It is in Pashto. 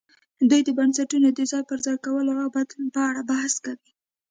دوی د بنسټونو د ځای پر ځای کولو او بدلون په اړه بحث کوي.